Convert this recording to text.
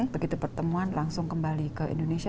begitu pertemuan langsung kembali ke indonesia